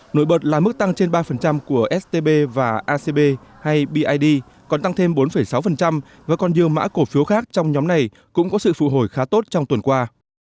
nội bật là mức tăng trên ba của stb và acb hay bid còn tăng thêm bốn sáu và còn nhiều mã cổ phiếu khác trong nhóm này cũng có sự phụ hồi khá tốt trong tuần qua